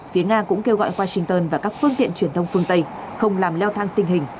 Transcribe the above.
phía nga cũng kêu gọi washington và các phương tiện truyền thông phương tây không làm leo thang tình hình